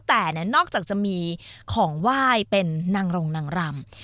แต่นอกจากจะมีของไหว้เป็นนางรงนางรำ